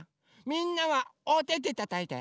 みんなはおててたたいて。